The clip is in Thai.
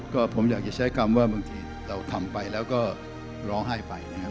ก็ผมอยากจะใช้คำว่าบางทีเราทำไปแล้วก็ร้องไห้ไปนะครับ